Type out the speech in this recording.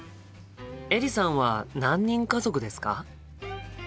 エリさんは何人家族ですか？